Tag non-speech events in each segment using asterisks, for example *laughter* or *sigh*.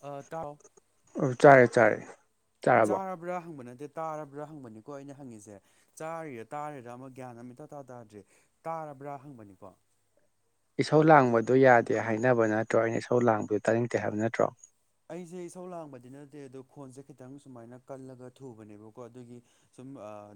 ꯑ ꯇꯥꯎ ꯑꯣ ꯆꯥꯔꯦ ꯆꯥꯔꯦ ꯆꯥꯔꯕꯣ ꯆꯥꯔꯕ꯭ꯔꯥ ꯍꯪꯕ ꯅꯠꯇꯦ ꯇꯥꯔꯕ꯭ꯔꯥ ꯍꯪꯕꯅꯤꯀꯣ ꯑꯩꯅ ꯍꯪꯉꯤꯖꯦ ꯆꯥꯔꯤꯔ ꯇꯥꯔꯤꯔ ꯑꯃ ꯒ꯭ꯌꯥꯟ ꯑꯃ ꯏꯇꯥꯥ ꯇꯥ ꯇꯥꯗ꯭ꯔꯦ ꯇꯥꯔꯕ꯭ꯔꯥ ꯍꯪꯕꯅꯤꯀꯣ ꯏꯁꯧ ꯂꯥꯡꯕꯗꯣ ꯌꯥꯗꯦ ꯍꯥꯏꯅꯕ ꯅꯠꯇ꯭ꯔꯣ ꯑꯩꯅ ꯏꯁꯧ ꯂꯥꯡꯕꯗꯨ ꯇꯥꯅꯤꯡꯇꯦ ꯍꯥꯏꯕ ꯅꯠꯇ꯭ꯔꯣ ꯑꯩꯖꯦ ꯏꯁꯧ ꯂꯥꯡꯕꯗꯤ ꯅꯠꯇꯦ ꯑꯗꯣ ꯈꯣꯟꯁꯦ ꯈꯤꯇꯪ ꯁꯨꯃꯥꯢꯅ ꯀꯜꯂꯒ ꯊꯨꯕꯅꯦꯕꯀꯣ ꯑꯗꯨꯒꯤ ꯁꯨꯝ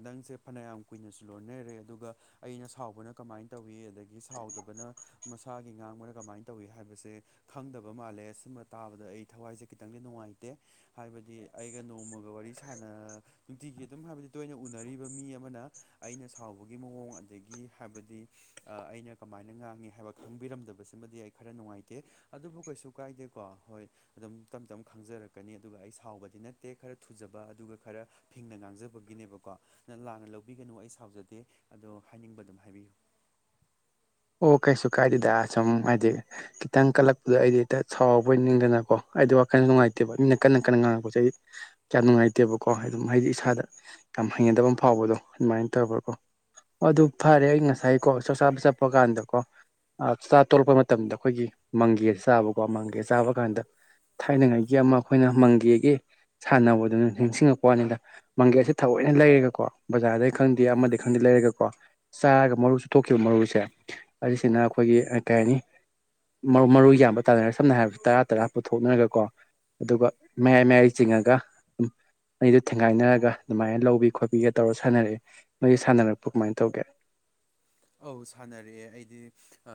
ꯅꯪꯁꯦ ꯐꯅꯌꯥꯝ ꯀꯨꯢꯅꯁꯨ ꯂꯣꯟꯅꯔꯦ ꯑꯗꯨꯒ ꯑꯩꯅ ꯁꯥꯎꯕꯅ ꯀꯃꯥꯢꯅ ꯇꯧꯢ ꯑꯗꯒꯤ ꯁꯥꯎꯗꯕꯅ ꯃꯁꯥꯒꯤ ꯉꯥꯡꯕꯅ ꯀꯃꯥꯢꯅ ꯇꯧꯢ ꯍꯥꯢꯕꯁꯦ ꯈꯪꯗꯕ ꯃꯥꯜꯂꯦ ꯁꯨꯝꯕ ꯇꯥꯕꯗ ꯑꯩ ꯊꯋꯥꯢꯁꯦ ꯈꯤꯇꯪꯗꯤ ꯅꯨꯡꯉꯥꯇꯦ ꯍꯥꯢꯕꯗꯤ ꯑꯩꯒ ꯅꯣꯡꯃꯒ ꯋꯥꯔꯤ ꯁꯥꯟꯅ ꯅꯨꯡꯇꯤꯒꯤ ꯑꯗꯨꯝ ꯍꯥꯢꯕꯗꯤ ꯇꯣꯢꯅ ꯎꯅꯔꯤꯕ ꯃꯤ ꯑꯃꯅ ꯑꯩꯅ ꯁꯥꯎꯕꯒꯤ ꯃꯑꯣꯡ ꯑꯗꯒꯤ ꯍꯥꯢꯕꯗꯤ ꯑꯥ ꯑꯩꯅ ꯀꯃꯥꯢꯅ ꯉꯥꯡꯏ ꯍꯥꯢꯕ ꯈꯪꯕꯤꯔꯝꯗꯕꯁꯤꯃꯗꯤ ꯑꯩ ꯈꯔ ꯅꯨꯡꯉꯥꯢꯇꯦ ꯑꯗꯨꯕꯨ ꯀꯩꯁꯨ ꯀꯥꯏꯗꯦꯀꯣ ꯍꯣꯢ ꯑꯗꯨꯝ ꯇꯞ ꯇꯞꯅ ꯈꯪꯖꯔꯛꯀꯅꯤ ꯑꯗꯨꯒ ꯑꯩ ꯁꯥꯎꯕꯗꯤ ꯅꯠꯇꯦ ꯈꯔ ꯊꯨꯖꯕ ꯑꯗꯨꯒ ꯈꯔ ꯐꯤꯡꯅ ꯉꯥꯡꯖꯕꯒꯤꯅꯦꯕꯀꯣ ꯅꯪ ꯂꯥꯟꯅ ꯂꯧꯕꯤꯒꯅꯨ ꯑꯩ ꯁꯥꯎꯖꯗꯦ ꯑꯗꯣ ꯍꯥꯢꯅꯤꯡꯕ ꯑꯗꯨꯝ ꯍꯥꯢꯕꯤꯌꯨ ꯑꯣ ꯀꯩꯁꯨꯨ ꯀꯥꯏꯗꯦꯗ ꯁꯨꯝ ꯍꯥꯏꯗꯤ ꯈꯤꯇꯪ ꯀꯜꯂꯛꯄꯗ ꯑꯩꯗꯤ ꯍꯦꯛꯇ ꯁꯥꯎꯕꯣꯏ ꯅꯤꯡꯗꯅꯀꯣ ꯑꯩꯗꯤ ꯋꯥꯈꯜ ꯅꯨꯡꯉꯥꯏꯇꯦꯕ ꯃꯤꯅ ꯀꯟꯅ ꯀꯟꯅ ꯉꯥꯡꯉꯛꯄꯁꯦ ꯑꯩ ꯀ꯭ꯌꯥꯝ ꯅꯨꯡꯉꯥꯏꯇꯦꯕꯀꯣ ꯑꯗꯨꯝ ꯍꯥꯏꯗꯤ ꯏꯁꯥꯗ ꯌꯥꯝ ꯍꯩꯅꯗꯕ ꯑꯃ ꯐꯥꯎꯕꯗꯣ ꯑꯗꯨꯃꯥꯏꯅ *unintelligible* ꯑꯗꯨ ꯐꯔꯦ ꯑꯩ ꯉꯁꯥꯏꯀꯣ ꯆꯥꯛ ꯆꯥꯕ ꯆꯠꯄ ꯀꯥꯟꯗꯀꯣ ꯑ ꯆꯥꯛ ꯇꯣꯂꯛꯄ ꯃꯇꯝꯗ ꯈꯣꯏꯒꯤ ꯃꯪꯒꯦ ꯆꯥꯕꯀꯣ ꯃꯪꯒꯦ ꯆꯥꯕ ꯀꯥꯟꯗ ꯊꯥꯏꯅꯉꯥꯏꯒꯤ ꯑꯃ ꯑꯈꯣꯏꯅ ꯃꯪꯒꯦꯒꯤ ꯁꯥꯟꯅꯕꯗꯨ ꯅꯤꯡꯁꯤꯡꯉꯛꯄ ꯋꯥꯅꯤꯗ ꯃꯪꯒꯦꯁꯦ ꯊꯑꯣꯏꯅ ꯂꯩꯔꯒꯀꯣ ꯕꯖꯥꯔꯗꯩ ꯈꯪꯗꯦ ꯑꯃꯗꯩ ꯈꯪꯗꯦ ꯂꯩꯔꯒꯀꯣ ꯆꯥꯔꯒ ꯃꯔꯨ ꯆꯨꯞꯊꯣꯛꯈꯤꯕ ꯃꯔꯨꯁꯦ ꯑꯩꯁꯤꯅ ꯑꯈꯣꯏꯒꯤ ꯑ ꯀꯩ ꯍꯥꯏꯅꯤ ꯃꯔꯨ ꯃꯔꯨ ꯌꯥꯕ ꯇꯥꯅꯔ ꯁꯝꯅ ꯍꯥꯏꯔꯕ ꯇꯔꯥ ꯇꯔꯥ ꯄꯨꯊꯣꯛꯅꯔꯒ ꯀꯣ ꯑꯗꯨꯒ ꯃꯌꯥꯏ ꯃꯌꯥꯏ ꯆꯤꯡꯉꯒ ꯑꯅꯤꯗꯣ ꯊꯦꯡꯒꯥꯏꯅꯔꯒ ꯑꯗꯨꯃꯥꯏꯅ ꯂꯧꯕꯤ ꯈꯣꯠꯄꯤꯒ ꯇꯧꯔ ꯁꯥꯟꯅꯔꯛꯑꯦ ꯃꯣꯏꯒꯤ ꯁꯥꯟꯅꯔꯛꯄ ꯀꯃꯥꯏꯅ ꯇꯧꯒꯦ ꯑꯧ ꯁꯥꯟꯅꯔꯛꯑꯦ ꯑꯩꯗꯤ ꯑ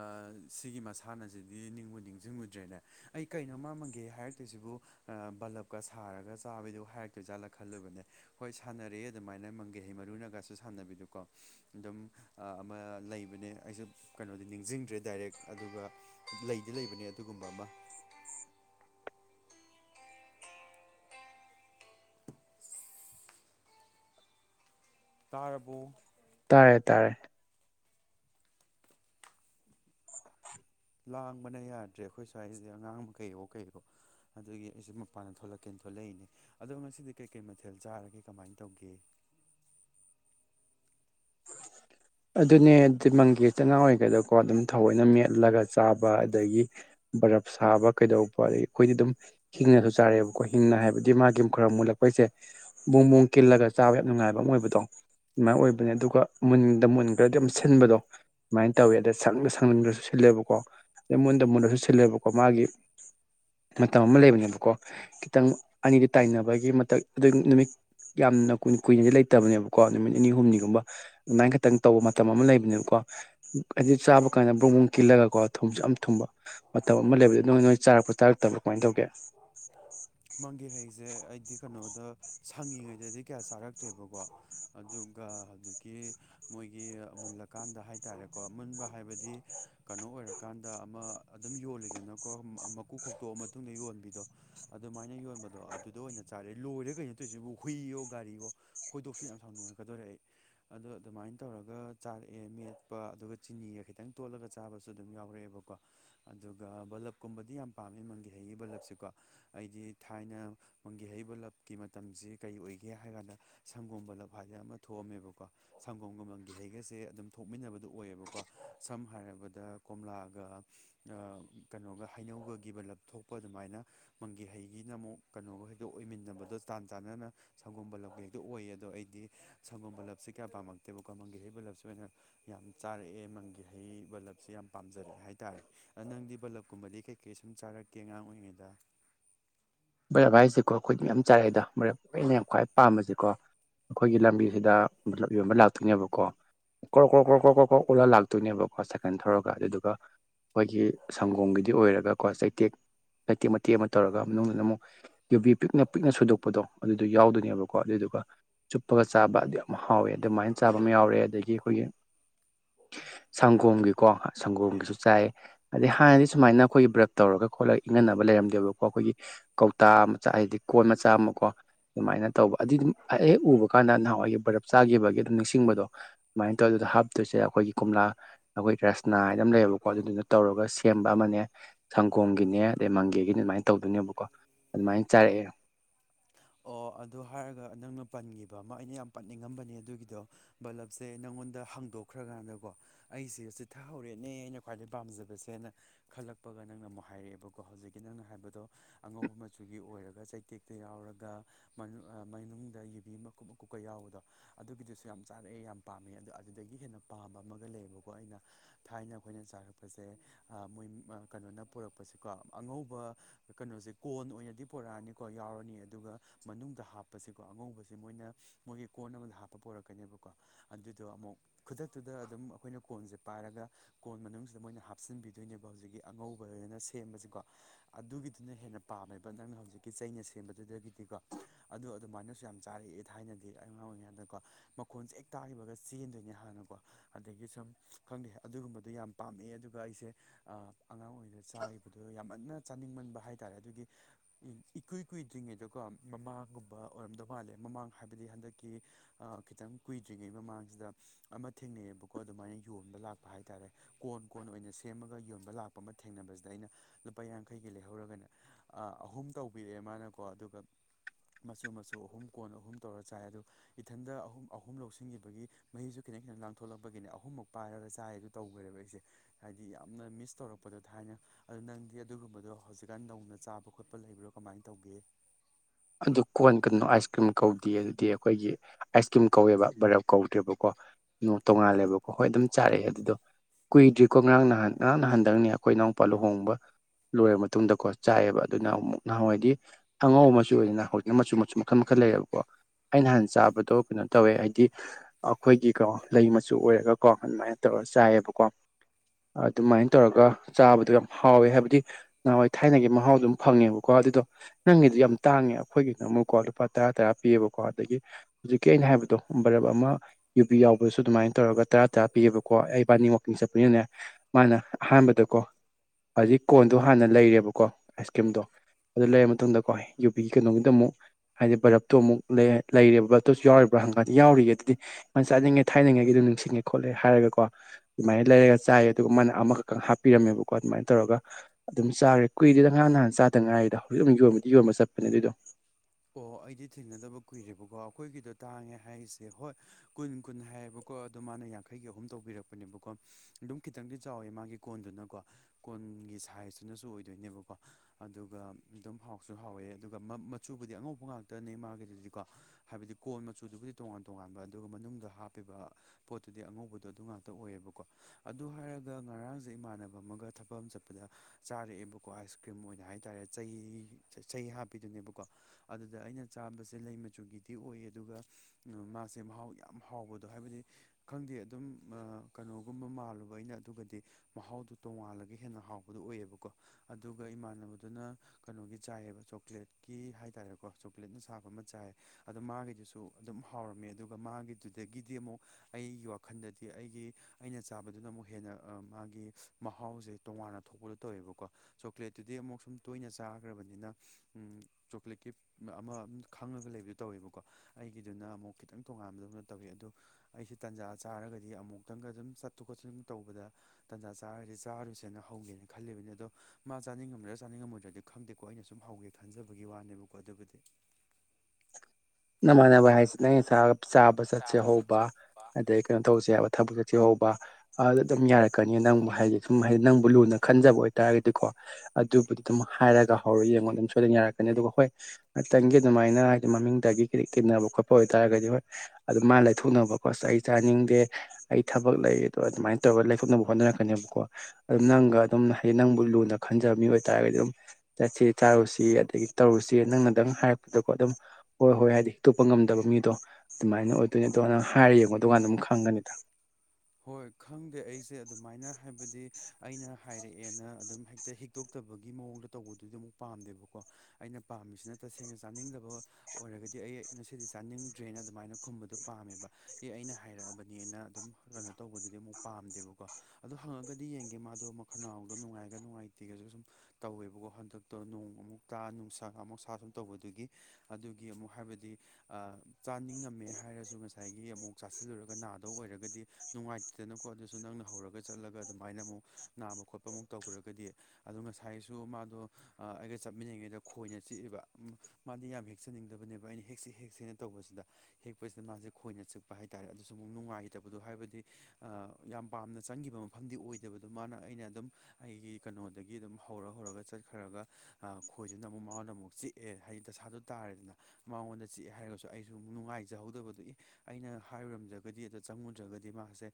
ꯁꯤꯒꯤ ꯃꯁꯥꯟꯅꯖꯤꯗꯤ ꯅꯤꯡꯕꯨ ꯅꯤꯡꯁꯤꯡꯉꯨꯗ꯭ꯔꯦꯅꯦ ꯑꯩ ꯀꯩꯅꯣ ꯃꯥ ꯃꯪꯒꯦ ꯍꯥꯏꯔꯛꯇꯣꯏꯖꯤꯕꯨ ꯑ ꯕꯜꯂꯞꯀ ꯁꯥꯔꯒ ꯆꯥꯕꯤꯗꯨ ꯍꯥꯏꯔꯛꯇꯣꯏꯖꯥꯠꯂ ꯈꯜꯂꯨꯕꯅꯦ ꯍꯣꯏ ꯁꯥꯟꯅꯔꯦ ꯑꯗꯨꯃꯥꯏꯅ ꯃꯪꯒꯦ ꯍꯩ ꯃꯔꯨꯅꯒꯁꯨ ꯁꯥꯟꯅꯕꯤꯗꯨꯀꯣ ꯑꯗꯨꯝ ꯑ ꯑꯃ ꯂꯩꯕꯅꯦ ꯑꯩꯁꯖꯨ ꯀꯩꯅꯣꯗꯤ ꯅꯤꯡꯁꯤꯡꯗ꯭ꯔꯦ ꯗꯥꯏꯔꯦꯛ ꯑꯗꯨꯒ ꯂꯩꯗꯤ ꯂꯩꯕꯅꯦ ꯑꯗꯨꯒꯨꯝꯕ ꯑꯃ ꯇꯥꯔꯕꯣ ꯇꯥꯌꯦ ꯇꯥꯔꯦ ꯂꯥꯡꯕꯅ ꯌꯥꯗ꯭ꯔꯦ ꯑꯈꯣꯏ ꯁ꯭ꯋꯥꯏꯖꯦ ꯑꯉꯥꯡꯕ ꯀꯩꯌꯣ ꯀꯩꯌꯣ ꯑꯗꯨꯒꯤ ꯑꯩꯖꯦ ꯃꯄꯥꯟꯗ ꯊꯣꯛꯂꯛꯀꯦꯅ ꯊꯣꯛꯂꯛꯏꯅꯦ ꯑꯗꯣ ꯉꯁꯤꯗꯤ ꯀꯩꯀꯩ ꯃꯊꯦꯜ ꯆꯥꯔꯒꯦ ꯀꯃꯥꯏꯅ ꯇꯧꯒꯦ *inaudible* ꯑꯗꯨꯅꯦ ꯗꯨ ꯃꯪꯒꯦꯖꯦ ꯑꯉꯥꯡ ꯑꯣꯏꯔꯤꯒꯩꯗꯀꯣ ꯑꯗꯨꯝ ꯊꯑꯣꯏꯅ ꯃꯦꯠꯂꯒ ꯆꯥꯕ ꯑꯗꯒꯤ ꯕꯔꯞ ꯁꯥꯕ ꯀꯩꯗꯧꯕ ꯑꯗꯒꯤ ꯈꯣꯏꯗꯤ ꯗꯨꯝ ꯍꯤꯡꯅꯁꯨ ꯆꯥꯔꯛꯑꯦꯕꯀꯣ ꯍꯤꯡꯅ ꯍꯥꯏꯕꯗꯤ ꯃꯥꯒꯤ ꯑꯝ ꯈꯔ ꯃꯨꯜꯂꯛꯄꯩꯁꯦ ꯕꯣ ꯕꯣꯡ ꯀꯤꯜꯂꯒ ꯆꯥꯕ ꯌꯥꯝ ꯅꯨꯡꯉꯥꯏꯕ ꯑꯃ ꯑꯣꯏꯕꯗꯣ ꯑꯗꯨꯃꯥꯏ ꯑꯣꯏꯕꯅꯦ ꯑꯗꯨ ꯀ ꯃꯨꯟꯗ ꯃꯨꯟꯒ꯭ꯔꯗꯤ ꯌꯥꯝ ꯁꯤꯟꯕꯗꯣ ꯁꯨꯃꯥꯏꯅ ꯇꯧꯋꯦ ꯑꯗ ꯁꯪꯗ ꯁꯪꯃꯟꯈ꯭ꯔꯁꯨ ꯁꯤꯜꯂꯦꯕꯀꯣ ꯑꯗꯩ ꯃꯨꯟꯗ ꯃꯨꯟꯂꯁꯨ ꯁꯤꯜꯂꯦꯕꯀꯣ ꯃꯥꯒꯤ ꯃꯇꯝ ꯑꯃ ꯂꯩꯕꯅꯦꯕꯀꯣ ꯈꯤꯇꯪ ꯑꯅꯤꯗꯨ ꯇꯥꯏꯅꯕꯒꯤ ꯃꯊꯛ ꯑꯗꯨꯏ *unintelligible* ꯅꯨꯃꯤꯠ ꯌꯥꯝꯅ ꯀꯨꯏ ꯀꯨꯏꯅꯗꯤ ꯂꯩꯇꯕꯅꯦꯕꯀꯣ ꯅꯨꯃꯤꯠ ꯅꯤꯅꯤ ꯍꯨꯝꯅꯤꯒꯨꯝꯕ *unintelligible* ꯑꯗꯨꯃꯥꯏ ꯈꯇꯪ ꯇꯧꯕ ꯃꯇꯝ ꯑꯃ ꯂꯩꯕꯅꯦꯕꯀꯣ ꯑꯩꯗꯤ ꯆꯥꯕ ꯀꯥꯟꯗ ꯕ꯭ꯔꯨꯡ ꯕꯨꯡ ꯀꯤꯜꯂꯒꯀꯣ ꯊꯨꯝꯁꯨ ꯌꯥꯝ ꯊꯨꯝꯕ ꯃꯇꯝ ꯑꯃ ꯂꯩꯕꯗ ꯅꯣꯏ ꯅꯣꯏ ꯆꯥꯔꯛꯄ ꯆꯥꯔꯛꯇꯕ꯭ꯔꯥ ꯀꯃꯥꯏꯅ ꯇꯧꯒꯦ ꯃꯪꯒꯤ ꯍꯩꯁꯦ ꯑꯩꯗꯤ ꯀꯩꯅꯣꯗ ꯁꯪꯉꯤꯉꯩꯗꯗꯤ ꯀꯌꯥ ꯆꯥꯔꯛꯇ꯭ꯔꯦꯕꯀꯣ ꯑꯗꯨꯒ ꯍꯧꯖꯤꯛꯀꯤ ꯃꯣꯏꯒꯤ ꯃꯨꯜꯂꯀꯥꯟꯗ ꯍꯥꯏ ꯇꯥꯔꯦꯀꯣ ꯃꯨꯟꯕ ꯍꯥꯏꯕꯗꯤ ꯀꯩꯅꯣ ꯑꯣꯏꯔꯀꯥꯟꯗ ꯑꯃ ꯑꯗꯨꯝ ꯌꯣꯜꯂꯤꯗꯅꯀꯣ ꯃꯀꯨ ꯈꯣꯛꯇꯣꯛꯑ ꯃꯇꯨꯡꯗ ꯌꯣꯟꯕꯤꯗꯣ ꯑꯗꯨꯃꯥꯏꯅ ꯌꯣꯟꯕꯗꯣ ꯑꯗꯨꯗ ꯑꯣꯏꯅ ꯆꯥꯔꯛꯏ ꯂꯣꯏꯔꯦ ꯀꯩꯅꯣ ꯇꯧꯢꯖꯤꯕꯨ ꯍꯨꯏꯌꯣ ꯒꯥꯔꯤꯋꯣ ꯈꯣꯏꯗꯣꯛꯁꯦ ꯌꯥꯝ ꯁꯥꯎꯅꯤꯡꯉꯛꯀꯗꯣꯔꯦ ꯑꯩ ꯑꯗꯣ ꯑꯗꯨꯃꯥꯏꯅ ꯇꯧꯔꯒ ꯆꯥꯔꯛꯑꯦ ꯃꯦꯠꯄ ꯑꯗꯨꯒ ꯆꯤꯅꯤꯒ ꯈꯤꯇꯪ ꯇꯣꯠꯂꯒ ꯆ ꯆꯥꯕꯁꯨ ꯑꯗꯨꯝ ꯌꯥꯎꯔꯛꯑꯦꯕꯀꯣ ꯑꯗꯨꯒ ꯕꯂꯞꯀꯨꯝꯕꯗꯤ ꯌꯥꯝ ꯄꯥꯝꯃꯦ ꯃꯪꯒꯦ ꯍꯩꯒꯤ ꯕꯂꯞꯁꯦꯀꯣ ꯑꯩꯗꯤ ꯊꯥꯏꯅ ꯃꯪꯒꯪ ꯍꯩ ꯕꯂꯞꯀꯤ ꯃꯇꯝꯖꯦ ꯀꯩ ꯑꯣꯏꯒꯦ ꯍꯥꯏ ꯀꯥꯟꯗ ꯁꯪꯒꯣꯝ ꯕꯂꯞ ꯍꯥꯏꯗꯥ ꯑꯃ ꯊꯣꯛꯑꯝꯃꯦꯕꯀꯣ ꯁꯪꯒꯣꯝꯒ ꯃꯪꯒꯦ ꯍꯩꯒꯁꯦ ꯑꯗꯨꯝ ꯊꯣꯛꯃꯤꯟꯅꯕꯗꯣ ꯑꯣꯏꯌꯦꯕꯀꯣ ꯁꯝ ꯍꯥꯏꯔꯕꯗ ꯀꯣꯝꯂꯥꯒ ꯑ ꯀꯩꯅꯣꯒ ꯍꯩꯅꯧꯒꯒꯤ ꯕꯂꯞ ꯊꯣꯛꯄ ꯑꯗꯨꯃꯥꯏꯅ ꯃꯪꯒꯦ ꯍꯩꯒꯤꯅ ꯑꯃꯨꯛ ꯀꯩꯅꯣ ꯍꯣꯏꯗꯣ ꯑꯣꯏꯃꯤꯟꯅꯕꯗꯣ ꯇꯥꯟ ꯆꯥꯟꯅꯅ ꯁꯪꯒꯣꯝ ꯕꯂꯞꯀ ꯍꯦꯛꯇ ꯑꯣꯏꯌꯦ ꯑꯗꯣ ꯑꯩꯗꯤ ꯁꯪꯒꯣꯝ ꯕꯂꯞꯁꯦ ꯀꯌꯥ ꯄꯥꯝꯃꯛꯇꯦꯕꯀꯣ ꯃꯪꯒꯦ ꯍꯩ ꯕꯂꯞꯁꯦ ꯑꯣꯏꯅ ꯌꯥꯝ ꯆꯥꯔꯛꯑꯦ ꯃꯪꯒꯤ ꯍꯩ ꯕꯂꯞꯁꯦ ꯌꯥꯝ ꯄꯥꯝꯖꯔꯛꯑꯦ ꯍꯥꯏꯇꯥꯥꯔꯦ ꯑꯗꯣ ꯅꯪꯗꯤ ꯕꯂꯞꯀꯨꯝꯕꯗꯤ ꯀꯩꯀꯩ ꯁꯨꯝ ꯆꯥꯔꯛꯀꯦ ꯑꯉꯥꯡ ꯑꯣꯏꯔꯤꯉꯩꯗ ꯕꯔꯞ ꯍꯥꯏꯁꯤꯀꯣ ꯑꯩꯈꯣꯏꯗꯤ ꯌꯥꯝ ꯆꯥꯔꯛꯑꯦꯗ ꯕ꯭ꯔꯞ ꯑꯩꯅ ꯌꯥꯝ ꯈ꯭ꯋꯥꯏ ꯄꯥꯝꯕꯗꯤꯀꯣ ꯑꯩꯈꯣꯏꯒꯤ ꯂꯝꯕꯤꯁꯤꯗ ꯕꯂꯞ ꯌꯣꯟꯕ ꯂꯥꯛꯇꯣꯏꯅꯦꯕꯀꯣ ꯀ꯭ꯔꯣ ꯀ꯭ꯔꯣ ꯀ꯭ꯔꯣ ꯀ꯭ꯔꯣ ꯀ꯭ꯔꯣꯛ ꯑꯣꯠꯂ ꯂꯥꯛꯇꯨꯏꯅꯦꯕ ꯀꯣ ꯁꯥꯏꯀꯟ ꯊꯧꯔꯒ ꯑꯗꯨꯗꯨꯒ ꯈꯣꯏꯒꯤ ꯁꯪꯒꯣꯝꯒꯤꯗꯤ ꯑꯣꯏꯔꯒꯀꯣ ꯆꯩꯇꯦꯛ ꯆꯩꯇꯦꯛ ꯃꯇꯦꯛ ꯑꯃ ꯇꯧꯔꯒ ꯃꯅꯨꯡ ꯗꯅ ꯑꯥꯃꯨꯛ ꯌꯨꯕꯤ ꯄꯤꯛꯅ ꯄꯤꯛꯅ ꯁꯣꯏꯗꯣꯛꯄꯗꯣ ꯑꯗꯨꯗꯣ ꯌꯥꯎꯗꯣꯏꯅꯦꯕꯀꯣ ꯑꯗꯨꯏꯗꯨꯒ ꯆꯨꯞꯄꯒ ꯆꯥꯕ ꯑꯗꯨ ꯌꯥꯝ ꯍꯥꯎꯋꯦ ꯑꯗꯨꯃꯥꯏꯅ ꯆꯥꯕ ꯑꯃ ꯌꯥꯎꯔꯦ ꯑꯗꯒꯤ ꯈꯣꯏꯒꯤ ꯁꯪꯒꯣꯝꯒꯤꯀꯣ ꯁꯪꯒꯣꯝꯒꯤꯁꯨ ꯆꯥꯏ ꯑꯗꯩ ꯍꯥꯟꯅꯗꯤ ꯁꯨꯃꯥꯏꯅ ꯑꯩꯈꯣꯏꯒꯤ ꯕ꯭ꯔꯞ ꯇꯧꯔꯒ ꯈꯣꯠꯂꯒ ꯏꯪꯍꯟꯅꯕ ꯂꯩꯔꯝꯗꯦꯕꯀꯣ ꯈꯣꯏꯒꯤ ꯀꯧꯇꯥ ꯑꯃꯥ ꯆꯥꯏ ꯍꯥꯏꯗꯤ ꯀꯣꯟ ꯃꯆꯥ ꯑꯃꯀꯣ ꯑꯗꯨꯃꯥꯏꯅ ꯇꯧꯕ ꯑꯗꯨꯏꯗꯤꯝ ꯍꯦꯛ ꯎꯕ ꯀꯥꯟꯗ ꯅꯍꯥꯟꯋꯥꯏꯒꯤ ꯕꯔꯞ ꯆꯥꯒꯤꯕꯒꯤ ꯑꯗꯨꯝ ꯅꯤꯡꯁꯤꯡꯕꯗꯣ ꯁꯨꯃꯥꯏꯅ ꯇꯧꯔꯥ ꯑꯗꯨꯗ ꯍꯥꯞꯇꯣꯏꯁꯦ ꯑꯈꯣꯏꯒꯤ ꯀꯣꯝꯂꯥ ꯑꯈꯣꯏ ꯔꯁꯅꯥ ꯍꯥꯏꯅ ꯑꯃ ꯂꯩꯌꯦꯕꯀꯣ ꯑꯗꯨꯗꯨꯅ ꯇꯧꯔꯒ ꯁꯦꯝꯕ ꯑꯃꯅꯦ ꯁꯪꯒꯣꯝꯒꯤꯅꯦ ꯑꯗꯩ ꯃꯪꯒꯦꯒꯤꯅꯦ ꯑꯗꯨꯃꯥꯏꯅ ꯇꯧꯗꯣꯏꯅꯦꯕꯀꯣ ꯑꯗꯨꯃꯥꯏꯅ ꯆꯥꯔꯛꯑꯦ ꯑꯣ ꯑꯗꯨ ꯍꯥꯏꯔꯒ ꯅꯪꯅ ꯄꯟꯒꯤꯕ ꯑꯃ ꯑꯩꯅ ꯌꯥꯝ ꯄꯟꯅꯤꯡꯉꯝꯕꯅꯦ ꯑꯗꯨꯒꯤꯗꯣ ꯕꯂꯞꯁꯦ ꯅꯪꯉꯣꯟꯗ ꯍꯡꯗꯣꯛꯈ꯭ꯔꯀꯥꯟꯗꯀꯣ ꯑꯩ ꯁꯤ ꯆꯤꯊꯍꯧꯔꯦꯅꯦ ꯑꯩꯅ ꯈ꯭ꯋꯥꯏꯗꯒꯤ ꯄꯥꯝꯖꯕꯁꯦꯅ ꯈꯜꯂꯛꯄꯒ ꯅꯪꯅ ꯑꯃꯨꯛ ꯍꯥꯏꯔꯛꯑꯦꯕꯀꯣ ꯍꯧꯖꯤꯛꯀꯤ ꯅꯪꯅ ꯍꯥꯏꯕꯗꯣ ꯑꯉꯧꯕ ꯃꯆꯨꯒꯤ ꯑꯣꯏꯔꯒ ꯆꯩꯇꯦꯛꯇ ꯌꯥꯎꯔꯒ ꯗ ꯃꯅꯨꯡ ꯑ ꯃꯅꯨꯡꯗ ꯌꯨꯕꯤ ꯃꯀꯨꯞ ꯃꯀꯨꯞꯀ ꯌꯥꯎꯕꯗꯣ ꯑꯗꯨꯒꯤꯗꯨꯁꯨ ꯌꯥꯝ ꯆꯥꯔꯛꯑꯦ ꯌꯥꯝ ꯄꯥꯝꯃꯛꯑꯦ ꯑꯗꯣ ꯑꯗꯨꯗꯒꯤ ꯍꯦꯟꯅ ꯄꯥꯝꯕ ꯑꯃꯒ ꯂꯩꯌꯦꯕꯀꯣ ꯑꯩꯅ ꯊꯥꯏꯅ ꯑꯈꯣꯏꯅ ꯆꯥꯔꯛꯄꯁꯦ ꯑ ꯃꯣꯏ ꯀꯩꯅꯣꯅ ꯄꯨꯔꯛꯄꯁꯦꯀꯣ ꯑꯉꯧꯕ ꯀꯩꯅꯣꯁꯦ ꯀꯣꯟ ꯑꯣꯏꯅꯗꯤ ꯄꯣꯔꯛꯑꯅꯤ ꯀꯣ ꯌꯥꯎꯔꯅꯤ ꯑꯗꯨꯒ ꯃꯅꯨꯡꯗ ꯍꯥꯞꯄꯁꯤꯀꯣ ꯑꯉꯧꯕꯁꯤ ꯃꯣꯏꯅ ꯃꯣꯏꯒꯤ ꯀꯣꯟ ꯑꯃꯗ ꯍꯥꯞꯄ ꯄꯣꯔꯛꯀꯅꯦꯕꯀꯣ ꯑꯗꯨꯗꯣ ꯑꯃꯨꯛ ꯈꯨꯗꯛꯇꯨꯗ ꯑꯗꯨꯝ ꯑꯈꯣꯏꯅ ꯀꯣꯟꯁꯦ ꯄꯥꯏꯔꯒ ꯀꯣꯟ ꯃꯅꯨꯡꯁꯤꯗ ꯃꯣꯏꯅ ꯍꯥꯞꯆꯤꯟꯕꯤꯗꯣꯏꯅꯦꯕ ꯍꯧꯖꯤꯛꯀꯤ ꯑꯉꯧꯕ ꯒꯩꯅ ꯁꯦꯝꯕꯁꯤꯀꯣ ꯑꯗꯨꯒꯤꯗꯨꯅ ꯍꯦꯟꯅ ꯄꯥꯝꯃꯦꯕ ꯅꯪꯅ ꯍꯧꯖꯤꯛꯀꯤ ꯆꯩꯅ ꯁꯦꯝꯕ ꯑꯗꯨꯗꯒꯤꯗꯤꯀꯣ ꯑꯗꯨ ꯑꯗꯨꯃꯥꯏꯅꯁꯨ ꯌꯥꯝ ꯆꯥꯔꯛꯑꯦ ꯊꯥꯏꯅꯗꯤ ꯑꯩ ꯑꯉꯥꯡ ꯑꯣꯏꯔꯤꯉꯩꯗꯀꯣ ꯃꯈꯣꯟꯁꯦ ꯍꯦꯛ ꯇꯥꯈꯤꯕꯒ ꯆꯦꯟꯗꯣꯏꯅꯦ ꯍꯥꯟꯅꯀꯣ ꯑꯗꯒꯤ ꯁꯨꯝ ꯈꯪꯗꯦ ꯑꯗꯨꯒꯨꯝꯕꯗꯣ ꯌꯥꯝ ꯄꯥꯝꯃꯛꯑꯦ ꯑꯗꯨꯒ ꯑꯩꯁꯦ ꯑꯉꯥꯡ ꯑꯣꯏꯔꯤ ꯆꯥꯒꯤꯕꯗꯣ ꯌꯥꯝꯃꯟꯗ ꯆꯥꯅꯤꯡꯃꯟꯕ ꯍꯥꯏꯇꯥꯔꯦ ꯑꯗꯨꯒꯤ ꯏ ꯏꯀꯨꯏ ꯀꯨꯏ ꯇ꯭ꯔꯤꯉꯩꯗꯀꯣ ꯃꯃꯥꯡꯒꯨꯝꯕ ꯑꯣꯏꯔꯝꯗꯧ ꯃꯥꯜꯂꯦ ꯃꯃꯥꯡ ꯍꯥꯏꯕꯗꯤ ꯍꯟꯗꯛꯀꯤ ꯑꯥ ꯈꯤꯇꯪ ꯀꯨꯏꯗ꯭ꯔꯤꯉꯩ ꯃꯃꯥꯡꯖꯤꯗ ꯑꯃ ꯊꯦꯡꯅꯩꯑꯕꯀꯣ ꯑꯗꯨꯃꯥꯏꯅ ꯌꯣꯟꯕ ꯂꯥꯛꯄ ꯍꯥꯏꯇꯥꯥꯔꯦ ꯀꯣꯟ ꯀꯣꯟ ꯑꯣꯏꯅ ꯁꯦꯝꯃꯒ ꯌꯣꯟꯕ ꯂꯥꯛꯄ ꯑꯃ ꯊꯦꯡꯅꯕꯖꯤꯗ ꯑꯩꯅ ꯂꯨꯄꯥ ꯌꯥꯡꯈꯩꯒꯤ ꯂꯩꯍꯧꯔꯒꯅꯦ ꯑꯥ ꯑꯍꯨꯝ ꯇꯧꯕꯤꯔꯛꯑꯦ ꯃꯥꯅꯀꯣ ꯑꯗꯨꯒ ꯃꯆꯨ ꯃꯆꯨ ꯑꯍꯨꯝ ꯀꯣꯟ ꯑꯍꯨꯝ ꯇꯧꯔ ꯆꯥꯏ ꯑꯗꯨ ꯏꯊꯟꯗ ꯑꯍꯨꯝ ꯑꯍꯨꯝ ꯂꯧꯁꯤꯟꯒꯤꯕꯒꯤ ꯃꯍꯤꯁꯨ ꯈꯤꯇꯪ ꯈꯤꯇꯪ ꯂꯥꯡꯊꯣꯛꯂꯛꯄꯒꯤꯅꯦ ꯑꯍꯨꯝꯃꯛ ꯄꯥꯏꯔꯒ ꯆꯥꯏ ꯏꯕꯦꯝ ꯇꯧꯒ꯭ꯔꯦꯕ ꯑꯩꯁꯦ ꯍꯥꯏꯗꯤ ꯌꯥꯝꯅ ꯃꯤꯁ ꯇꯧꯔꯛꯄꯗ ꯊꯥꯏꯅ ꯑꯗꯣ ꯅꯪꯗꯤ ꯑꯗꯨꯒꯨꯝꯕꯗꯣ ꯍꯧꯖꯤꯛꯀꯥꯟ ꯅꯧꯅ ꯆꯥꯕ ꯈꯣꯠꯄ ꯂꯩꯕ꯭ꯔꯣ ꯀꯃꯥꯏ ꯇꯧꯒꯦ ꯑꯗꯨ ꯀꯣꯟ ꯀꯅꯣ ꯑꯥꯏꯁ ꯀ꯭ꯔꯤꯝ ꯀꯧꯗꯤꯌꯦ ꯑꯗꯨꯗꯤ ꯑꯩꯈꯣꯏꯒꯤ ꯑꯥꯏꯁ ꯀꯤꯝ ꯀꯧꯋꯦꯕ ꯕꯔꯞ ꯀꯧꯗ꯭ꯔꯦꯕꯀꯣ ꯅꯨ ꯇꯣꯡꯉꯥꯜꯂꯦꯕꯀꯣ ꯍꯣꯏ ꯑꯗꯨꯝ ꯆꯥꯔꯛꯑꯦ ꯑꯗꯨꯗꯣ ꯀꯨꯏꯗ꯭ꯔꯤꯀꯣ ꯉꯔꯥꯡ ꯅꯍꯥꯟ ꯉꯔꯥꯡ ꯅꯍꯥꯟꯗꯪꯅꯦ ꯑꯈꯣꯏ ꯏꯅꯥꯎꯄꯥ ꯂꯨꯍꯣꯡꯕ ꯂꯣꯏꯔꯕ ꯃꯇꯨꯡꯗꯀꯣ ꯆꯥꯛꯑꯦꯕ ꯑꯗꯨꯅ ꯑꯃꯨꯛ ꯅꯍꯥꯟꯋꯥꯏꯗꯤ ꯑꯉꯧ ꯃꯆꯨ ꯇꯨ ꯑꯣꯏꯗꯅ ꯍꯧꯖꯤꯛꯅ ꯃꯆꯨ ꯃꯆꯨ ꯃꯈꯜ ꯃꯈꯜ ꯂꯩꯌꯦꯕꯀꯣ ꯑꯩꯅ ꯍꯥꯟ ꯆꯥꯕꯗꯣ ꯀꯩꯅꯣ ꯇꯧꯋꯦ ꯍꯥꯏꯗꯤ ꯑꯈꯣꯏꯒꯤ ꯀꯣ ꯂꯩ ꯃꯆꯨ ꯑꯣꯏꯔꯒ ꯀꯣ ꯑꯗꯨꯃꯥꯏꯅ ꯇꯧꯔ ꯆꯥꯏꯌꯦꯕꯀꯣ ꯑꯗꯨꯃꯥꯏꯟ ꯇꯧꯔꯒ ꯆꯥꯕꯗꯣ ꯌꯥꯝ ꯍꯥꯎꯋꯦ ꯍꯥꯏꯕꯗꯤ ꯅꯍꯥꯟꯋꯥꯏ ꯊꯥꯏꯅꯒꯤ ꯃꯍꯥꯎꯗꯨꯝ ꯐꯪꯉꯦꯕꯀꯣ ꯑꯗꯨꯗꯣ ꯅꯪꯒꯤꯗꯤ ꯌꯥꯝ ꯇꯥꯡꯉꯦ ꯑꯩꯈꯣꯏꯒꯤꯅ ꯑꯃꯨꯛꯀꯣ ꯂꯨꯄꯥ ꯇꯔꯥ ꯇꯔꯥ ꯄꯤꯌꯦꯕꯀꯣ ꯑꯗꯒꯤ ꯍꯧꯖꯤꯛꯀꯤ ꯑꯩꯅ ꯍꯥꯏꯕꯗꯣ ꯕꯔꯞ ꯑꯃ ꯌꯨ ꯕꯤ ꯌꯥꯎꯕꯁꯨ ꯑꯗꯨꯃꯥꯏ ꯇꯧꯔꯒ ꯇꯔꯥ ꯇꯔꯥ ꯄꯤꯌꯦꯕꯀꯣ ꯑꯩ ꯕꯥꯅꯤ ꯋꯥꯛꯀꯤꯡ ꯆꯠꯄꯅꯤꯅꯦ ꯃꯥꯅ ꯑꯍꯥꯟꯕꯗ ꯀꯣ ꯍꯧꯖꯤꯛ ꯀꯣꯟꯗꯣ ꯍꯥꯟꯅ ꯂꯩꯔꯦꯕꯀꯣ ꯑꯥꯏꯁ ꯀꯤꯝꯗꯣ ꯑꯗꯨ ꯂꯩꯔ ꯃꯇꯨꯡꯗꯀꯣꯏ ꯌꯨꯕꯤꯒꯤ ꯀꯩꯅꯣꯒꯤꯗ ꯑꯃꯨꯛ ꯍꯥꯏꯗꯤ ꯕꯔꯞꯇꯣ ꯑꯃꯨꯛ ꯂꯩ ꯂꯩꯔꯤꯕ ꯕꯞꯇꯨꯁꯨ ꯌꯥꯎꯔꯤꯕ꯭ꯔꯥ ꯍꯪꯒꯥꯥꯟꯗꯤ ꯌꯥꯎꯔꯤꯒ ꯑꯗꯨꯗꯤ ꯅ ꯆꯥꯅꯤꯡꯉꯦ ꯊꯥꯏꯅꯤꯡꯉꯩꯒꯤꯗꯣ ꯑꯗꯨꯝ ꯅꯤꯡꯁꯤꯡꯉꯦ ꯈꯣꯠꯂꯦ ꯍꯥꯏꯔꯒꯀꯣ ꯑꯗꯨꯃꯥꯏꯅ ꯂꯩꯔꯒ ꯆꯥꯏ ꯑꯗꯨꯒ ꯃꯥꯅ ꯑꯃꯈꯛꯇꯪ ꯍꯥꯞꯄꯤꯔꯝꯃꯦꯕꯀꯣ ꯑꯗꯨꯃꯥꯏꯅ ꯇꯧꯔꯒ ꯑꯗꯨꯝ ꯆꯥꯔꯦ ꯀꯨꯏꯗꯦꯗ ꯉꯍꯥꯟ ꯅꯍꯥꯟ ꯆꯥꯗ ꯉꯥꯏꯔꯤꯗ ꯍꯧꯖꯤꯛ ꯑꯗꯨꯝ ꯌꯣꯟꯕꯗꯤ ꯌꯣꯟꯕ ꯆꯠꯄꯅꯦ ꯑꯗꯨꯏꯗꯣ ꯑꯣ ꯑꯩꯗꯤ ꯊꯦꯡꯅꯗꯕ ꯀꯨꯏꯔꯦꯕꯀꯣ ꯑꯩꯈꯣꯏꯒꯤꯗꯣ ꯇꯥꯡꯉꯦ ꯍꯥꯏꯔꯤꯁꯦ ꯍꯣꯏ ꯀꯨꯟ ꯀꯨꯟ ꯍꯥꯏꯌꯦꯕ ꯀꯣ ꯑꯗꯣ ꯃꯥꯅ ꯌꯥꯡꯈꯩꯒꯤ ꯑꯍꯨꯝ ꯇꯧꯕꯤꯔꯛꯄꯅꯦꯕꯀꯣ ꯑꯗꯨꯝ ꯈꯤꯇꯪꯗꯤ ꯆꯥꯎꯋꯦ ꯃꯥꯒꯤ ꯀꯣꯟꯗꯨꯅꯀꯣ ꯀꯣꯟꯒꯤ ꯁꯥꯏꯖꯇꯨꯅꯁꯨ ꯑꯣꯏꯗꯣꯏꯅꯦꯕꯀꯣ ꯑꯗꯨꯒ ꯑꯗꯨꯝ ꯍꯥꯎꯁꯨ ꯍꯥꯎꯋꯦ ꯑꯗꯨꯒ ꯃꯝ ꯃꯥ__ ꯆꯨꯕꯨꯗꯤ ꯑꯉꯧꯕ ꯉꯥꯛꯇꯅꯦ ꯃꯥꯒꯤꯗꯨꯗꯤꯀꯣ ꯍꯥꯏꯕꯗꯤ ꯀꯣꯟ ꯃꯆꯨꯗꯨꯕꯨꯗꯤ ꯇꯣꯉꯥꯟ ꯇꯣꯉꯥꯟꯕ ꯑꯗꯨꯒ ꯃꯅꯨꯡꯗ ꯍꯥꯞꯄꯤꯕ ꯄꯣꯠꯇꯨꯗꯤ ꯑꯉꯧꯕꯗꯣ ꯑꯗꯨ ꯉꯥꯛꯇ ꯑꯣꯏꯌꯦꯕꯀꯣ ꯑꯗꯨ ꯍꯥꯏꯔꯒ ꯉꯔꯥꯡꯖꯦ ꯏꯃꯥꯟꯅꯕ ꯑꯃꯒ ꯊꯕꯛ ꯑꯃ ꯆꯠꯄꯗ ꯆꯥꯔꯛꯑꯦꯕꯀꯣ ꯑꯥꯏꯁ ꯀ꯭ꯔꯤꯝ ꯑꯣꯏꯅ ꯍꯥꯏꯇꯥꯔꯦ ꯆꯩ ꯆꯩ ꯆꯩ ꯍꯥꯞꯄꯤꯗꯨꯅꯦꯕꯀꯣ ꯑꯗꯨꯗ ꯑꯩꯅ ꯆꯥꯕꯁꯦ ꯂꯩ ꯃꯆꯨꯒꯤꯗꯤ ꯑꯣꯏ ꯑꯗꯨꯒ ꯎꯝ ꯃꯥꯁꯦ ꯃꯍꯥꯎ ꯌꯥꯝ ꯍꯥꯎꯕꯗꯣ ꯍꯥꯏꯕꯗꯤ ꯈꯪꯗꯦ ꯑꯗꯨꯝ ꯃꯥ ꯀꯩꯅꯣꯒꯨꯝꯕ ꯃꯥꯜꯂꯨꯕ ꯑꯩꯅ ꯑꯗꯨꯒꯗꯤ ꯃꯍꯥꯎꯗꯣ ꯇꯣꯡꯉꯥꯜꯂꯒ ꯍꯦꯟꯅ ꯍꯥꯎꯕꯗꯨ ꯑꯣꯏꯌꯦꯕꯀꯣ ꯑꯗꯨꯒ ꯏꯃꯥꯟꯅꯕꯗꯨꯅ ꯀꯩꯅꯣꯒꯤ ꯆꯥꯏꯌꯦꯕ ꯆꯣꯀ꯭ꯂꯦꯠ ꯀꯤ__ ꯀꯤ ꯍꯥꯏꯇꯥꯔꯦꯀꯣ ꯆꯣꯀ꯭ꯂꯦꯠ ꯅ ꯁꯥꯕ ꯑꯃ ꯆꯥꯏ ꯑꯗꯨ ꯃꯥꯒꯤꯗꯨꯁꯨ ꯑꯗꯨꯝ ꯍꯥꯎꯔꯝꯃꯦ ꯑꯗꯨꯒ ꯃꯥꯒꯤꯗꯨꯗꯒꯤꯗꯤ ꯑꯃꯨꯛ ꯑꯩꯒꯤ ꯋꯥꯈꯟꯗꯗꯤ ꯑꯩꯒꯤ ꯑꯩꯅ ꯆꯥꯕꯗꯨꯅ ꯑꯃꯨꯛ ꯍꯦꯟꯅ ꯑꯥ ꯃꯥꯒꯤ ꯃꯍꯥꯎꯖꯦ ꯇꯣꯉꯥꯟꯅ ꯊꯣꯛꯄꯗꯣ ꯇꯧꯋꯦꯕꯀꯣ ꯆꯣꯀ꯭ꯂꯦꯠꯇꯨꯗꯤ ꯑꯃꯨꯛ ꯁꯨꯝ ꯇꯣꯏꯅ ꯆꯥꯒ꯭ꯔꯕꯅꯤꯅ ꯎꯝ ꯆꯣꯀ꯭ꯂꯦꯠꯀꯤꯞ ꯑꯃ ꯑꯝ ꯈꯪꯉꯒ ꯂꯩꯕꯗꯨ ꯇꯧꯋꯦꯕꯀꯣ ꯑꯩꯒꯤꯗꯨꯅ ꯑꯃꯨꯛ ꯈꯤꯇꯪ ꯇꯣꯉꯥꯟꯕꯗꯧꯅ ꯇꯧꯋꯤ ꯑꯗꯨ ꯑꯩꯁꯦ ꯇꯥꯟꯖꯥ ꯆꯥꯔꯒꯗꯤ ꯑꯃꯨꯛꯇꯪꯒ ꯑꯗꯨꯝ ꯆꯠꯊꯣꯛ ꯈꯣꯠꯁꯤꯟ ꯇꯧꯕꯗ ꯇꯟꯖꯥ ꯆꯥꯔꯗꯤ ꯆꯥꯔꯨꯁꯦꯅ ꯍꯧꯒꯦꯅ ꯈꯜꯂꯤꯕꯅꯤ ꯑꯗꯣ ꯃꯥ ꯆꯥꯅꯤꯡꯉꯝꯗ꯭ꯔꯥ ꯆꯥꯅꯤꯡꯉꯝꯃꯣꯏꯗ꯭ꯔꯥꯗꯤ ꯈꯪꯗꯦꯀꯣ ꯑꯩꯅ ꯁꯨꯝ ꯍꯧꯒꯦ ꯈꯟꯖꯕꯒꯤ ꯋꯥꯅꯦꯕꯀꯣ ꯑꯗꯨꯕꯨꯗꯤ ꯅꯃꯥꯟꯅꯕ ꯍꯥꯏꯁꯤ ꯅꯪꯅ ꯆꯥ ꯆꯥꯕ ꯆꯠꯁꯦ ꯍꯧꯕ ꯑꯗꯩ ꯀꯩꯅꯣ ꯇꯧꯁꯦ ꯍꯥꯏꯕ ꯊꯕꯛ ꯆꯠ ꯍꯧꯕ ꯑꯗꯥ ꯑꯗꯨꯝ ꯌꯥꯔꯛꯀꯅꯤ ꯅꯪꯕꯨ ꯍꯥꯏꯗꯤ ꯁꯨꯝ ꯍꯥꯏꯗꯤ ꯅꯪꯕꯨ ꯂꯨꯅ ꯈꯟꯖꯕ ꯑꯣꯏꯇꯥꯔꯒꯗꯤꯀꯣ ꯑꯗꯨꯕꯨꯗꯤ ꯑꯗꯨꯝ ꯍꯥꯏꯔꯒ ꯍꯧꯔ ꯌꯦꯡꯉꯣ ꯑꯗꯨꯝ ꯁꯣꯏꯗꯅ ꯌꯥꯔꯛꯀꯅꯤ ꯑꯗꯨꯒ ꯍꯣꯏ ꯉꯥꯛꯇꯪꯒꯤ ꯑꯗꯨꯃꯥꯏꯅ ꯃꯃꯤꯡꯗꯒꯤ ꯀꯤꯛ ꯇꯤꯟꯅꯕ ꯈꯣꯠꯄ ꯑꯣꯏꯇꯥꯔꯒꯗꯤ ꯍꯣꯏ ꯑꯗꯨꯝ ꯃꯥ ꯂꯩꯊꯣꯛꯅꯕꯀꯣ ꯑꯁ ꯑꯩ ꯆꯥꯅꯤꯡꯗꯦ ꯑꯩ ꯊꯕꯛ ꯂꯩ ꯑꯗꯣ ꯑꯗꯨꯃꯥꯏ ꯇꯧꯔꯒ ꯂꯩꯊꯣꯛꯅꯕ ꯍꯣꯠꯅꯔꯛꯀꯅꯦꯕꯀꯣ ꯑꯗꯨ ꯅꯪꯒ ꯑꯗꯨꯝ ꯍꯥꯏꯗꯤ ꯅꯪꯕꯨ ꯂꯨꯅ ꯈꯟꯖꯕ ꯃꯤ ꯑꯣꯏꯇꯥꯔꯒꯗꯤ ꯑꯗꯨꯝ ꯆꯠꯁꯤ ꯆꯥꯔꯨꯁꯤ ꯑꯗꯥꯒꯤ ꯇꯧꯔꯨꯁꯤ ꯅꯪꯅꯗꯪ ꯍꯥꯏꯔꯛꯄꯗꯀꯣ ꯑꯗꯨꯝ ꯍꯣꯏ ꯍꯣꯏ ꯍꯥꯏꯗꯤ ꯍꯤꯛ ꯇꯣꯞꯄ ꯉꯝꯗꯕ ꯃꯤꯗꯣ ꯑꯗꯨꯃꯥꯏꯅ ꯑꯣꯏꯗꯣꯏꯅꯦ ꯑꯗꯣ ꯅꯪ ꯍꯥꯏꯔ ꯌꯦꯡꯉꯣ ꯑꯗꯨꯀꯥꯟꯗ ꯑꯗꯨꯝ ꯈꯪꯒꯅꯤꯗ ꯍꯣꯏ ꯈꯪꯗꯦ ꯑꯩꯁꯦ ꯑꯗꯨꯃꯥꯏꯅ ꯍꯥꯏꯕꯗꯤ ꯑꯩꯅ ꯍꯥꯏꯔꯛꯑꯦꯅ ꯑꯗꯨꯝ ꯍꯥꯏ ꯇꯦ ꯍꯤꯛꯇꯣꯛꯇꯕꯒꯤ ꯃꯑꯣꯡꯗ ꯇꯧꯕꯗꯨꯗꯤ ꯑꯃꯨꯛ ꯄꯥꯝꯗꯦꯕꯀꯣ ꯑꯩꯅ ꯄꯥꯝꯃꯤꯁꯤꯅ ꯇꯁꯦꯡꯅ ꯆꯥꯅꯤꯡꯗꯕ ꯑꯣꯏꯔꯒꯗꯤ ꯑꯩ ꯉꯁꯤꯗꯤ ꯆꯥꯅꯤꯡꯗ꯭ꯔꯦꯅ ꯑꯗꯨꯃꯥꯏꯅ ꯈꯨꯝꯕꯗꫭ ꯄꯥꯝꯃꯦꯕ ꯑꯦ ꯑꯩꯅ ꯍꯥꯏꯔꯛꯑꯕꯅꯦꯅ ꯑꯗꯨꯝ ꯀꯩꯅꯣ ꯇꯧꯕꯗꯨꯗꯤ ꯑꯃꯨꯛ ꯄꯥꯝꯗꯦꯕꯀꯣ ꯑꯗꯣ ꯍꯪꯉꯒꯗꯤ ꯌꯦꯡꯒꯦ ꯃꯥꯗꯣ ꯃꯈꯅꯥꯎꯗꯣ ꯅꯨꯡꯉꯥꯏꯒ ꯅꯨꯡꯉꯥꯏꯇꯦꯒꯁꯨ ꯁꯨꯝ ꯇꯧꯋꯦꯕꯀꯣ ꯍꯟꯗꯛꯇꯣ ꯅꯣꯡ ꯑꯃꯨꯛ ꯇꯥ ꯅꯨꯡꯁꯥ ꯑꯃꯨꯛ ꯁꯥ ꯁꯨꯝ ꯇꯧꯕꯗꯨꯒꯤ ꯑꯗꯨꯒꯤ ꯑꯃꯨꯛ ꯍꯥꯏꯕꯗꯤ ꯑ ꯆꯥꯅꯤꯡꯉꯝꯃꯦ ꯍꯥꯏꯔꯁꯨ ꯉꯁꯥꯏꯒꯤ ꯑꯃꯨꯛ ꯆꯥꯁꯤꯜꯂꯨꯔꯒ ꯅꯥꯗꯧ ꯑꯣꯏꯔꯒꯗꯤ ꯅꯨꯡꯉꯥꯏꯇꯦꯗꯅꯀꯣ ꯑꯗꯨꯁꯨ ꯅꯪꯅ ꯍꯧꯔꯒ ꯆꯠꯂꯒ ꯑꯗꯨꯃꯥꯏꯅ ꯑꯃꯨꯛ ꯅꯥꯕ ꯈꯣꯠꯄ ꯑꯃꯨꯛ ꯇꯧꯈ꯭ꯔꯥꯒꯗꯤ ꯑꯗꯨ ꯉꯁꯥꯏꯁꯨ ꯃꯥꯗꯣ ꯑꯩꯒ ꯆꯠꯃꯤꯟꯅꯩꯉꯩꯗ ꯈꯣꯏꯅ ꯆꯤꯛꯏꯕ ꯃꯥꯗꯤ ꯌꯥꯝ ꯍꯦꯛꯆꯅꯤꯡꯗꯕꯅꯦꯕ ꯑꯩꯅ ꯍꯦꯛꯁꯤ ꯍꯦꯛꯁꯦꯅ ꯇꯧꯕꯁꯤꯗ ꯍꯦꯛꯄꯁꯤꯗ ꯃꯥꯁꯦ ꯈꯣꯏꯅ ꯆꯤꯛꯄ ꯍꯥꯏꯇꯥꯔꯦ ꯑꯗꯨꯁꯨ ꯑꯃꯨꯛ ꯅꯨꯉꯥꯏꯇꯕꯗꯣ ꯑꯗꯣ ꯍꯥꯏꯕꯗꯤ ꯌꯥꯝ ꯄꯥꯝꯅ ꯆꯪꯈꯤꯕ ꯃꯐꯝꯗꯤ ꯑꯣꯏꯗꯕꯗꯣ ꯃꯥꯅ ꯑꯩꯅ ꯑꯗꯨꯝ ꯑꯩꯒꯤ ꯀꯩꯅꯣꯗꯒꯤ ꯑꯗꯨꯝ ꯍꯧꯔ ꯍꯧꯔꯒ ꯆꯠꯈ꯭ꯔꯥꯒ ꯑꯥ ꯈꯣꯏꯗꯨꯅ ꯑꯃꯨꯛ ꯃꯥꯥꯉꯣꯟꯗ ꯑꯃꯨꯛ ꯆꯤꯛ ꯑꯦ ꯍꯥꯏꯗꯤ ꯗꯁꯥꯗꯨ ꯇꯥꯔꯦꯗꯅ ꯃꯉꯣꯟꯗ ꯆꯤꯛꯑꯦ ꯍꯥꯏꯔꯒꯁꯨ ꯑꯩꯁꯨ ꯅꯨꯡꯉꯥꯏꯖꯍꯧꯗꯕꯗꯨ ꯑꯦ ꯑꯩꯅ ꯍꯥꯏꯔꯨꯔꯝꯗ꯭ꯔꯥꯒꯗꯤ ꯆꯪꯉꯨꯗ꯭ꯔꯥꯒꯗꯤ ꯃꯥꯁꯦ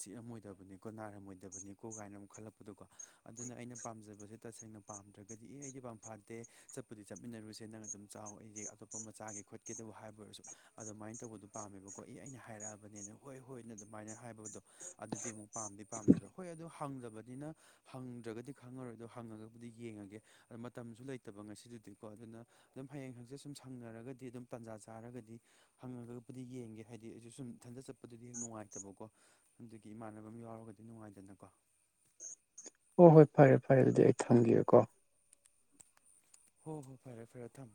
ꯆꯤꯛꯑꯝꯃꯣꯏꯗꯕꯅꯤꯀꯣ ꯅꯥꯏꯔꯝꯃꯣꯏꯗꯕꯅꯤꯀꯣ ꯒꯥꯏꯅ ꯑꯃꯨꯛ ꯈꯜꯂꯛꯄꯗꯨꯀꯣ ꯑꯗꯨꯅ ꯑꯩꯅ ꯄꯥꯝꯖꯕꯁꯦ ꯇꯁꯦꯡꯅ ꯄꯥꯝꯗ꯭ꯔꯥꯒꯗꯤ ꯑꯦ ꯑꯩꯗꯤ ꯄꯥꯝ ꯐꯥꯠꯇꯦ ꯆꯠꯄꯨꯗꯤ ꯆꯠꯃꯤꯟꯅꯔꯨꯁꯦ ꯅꯪ ꯑꯗꯨꯝ ꯆꯥꯎ ꯑꯩꯗꯤ ꯑꯇꯣꯞꯄ ꯑꯃ ꯆꯥꯒꯦ ꯈꯣꯠꯀꯦꯗꯕꯨ ꯍꯥꯏꯕ ꯑꯣꯏꯔꯁꯨ ꯑꯗꯨꯃꯥꯏꯅ ꯇꯧꯕꯗꯣ ꯄꯥꯝꯃꯦꯕꯀꯣ ꯏ ꯑꯩꯅ ꯍꯥꯏꯔꯛꯑꯕꯅꯦꯅ ꯍꯣꯏ ꯍꯣꯏꯅ ꯑꯗꯨꯃꯥꯏꯅ ꯍꯥꯏꯕꯗꯣ ꯑꯗꯨꯗꯤ ꯑꯃꯨꯛ ꯄꯥꯝꯗꯤ ꯄꯥꯝꯗꯦꯕ ꯍꯣꯏ ꯑꯗꯨ ꯍꯪꯗꯕꯅꯤꯅ ꯍꯪꯗ꯭ꯔꯥꯒꯗꯤ ꯈꯪꯉꯔꯣꯏꯗꯣ ꯍꯪꯉꯒꯕꯨꯗꯤ ꯌꯦꯡꯉꯒꯦ ꯑꯗꯥ ꯃꯇꯝꯁꯨ ꯂꯩꯇꯕ ꯉꯁꯤꯗꯨꯗꯤꯀꯣ ꯑꯗꯨꯅ ꯑꯗꯨꯝ ꯍꯌꯦꯡ ꯍꯡꯆꯤꯠ ꯁꯨꯝ ꯁꯪꯅꯔꯒꯗꯤ ꯑꯗꯨꯝ ꯇꯥꯟꯖꯥ ꯆꯥꯔꯒꯗꯤ ꯍꯪꯉꯒꯕꯨꯗꯤ ꯌꯦꯡꯒꯦ ꯍꯥꯏꯗꯤ ꯑꯩꯁꯨ ꯁꯨꯝ ꯏꯊꯟꯗ ꯆꯠ ꯑꯗꯨꯗꯤ ꯍꯦꯛ ꯅꯨꯡꯉꯥꯏꯇꯕꯀꯣ ꯑꯗꯨꯒꯤ ꯏꯃꯥꯟꯅꯕ ꯑꯃ ꯌꯥꯎꯔꯒꯗꯤ ꯅꯨꯡꯉꯥꯏꯗꯅꯀꯣ ꯍꯣꯏ ꯍꯣꯏ ꯐꯔꯦ ꯐꯔꯦ ꯑꯗꯨꯗꯤ ꯑꯩ ꯊꯝꯒꯦꯀꯣ ꯍꯣ ꯍꯣꯏ ꯐꯔꯦ ꯐꯔꯦ ꯊꯝ